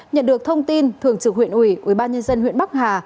nhận được thông tin thường trực huyện ủy ubnd huyện bắc hà